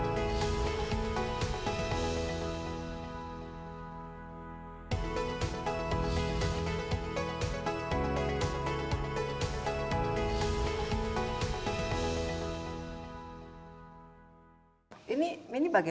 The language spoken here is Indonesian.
lebih lebih tumbuhi lebih tinggi lebih bersih